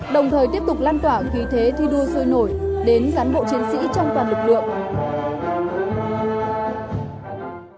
đồng thời tiếp tục lan tỏa khí thế thi đua sôi nổi đến cán bộ chiến sĩ trong toàn lực lượng